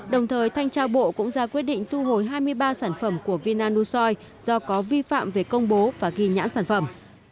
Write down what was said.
đồng thời thanh tra bộ cũng ra quyết định thu hồi hai mươi ba sản phẩm của vina nucoi do có vi phạm về công bố và ghi nhãn sản phẩm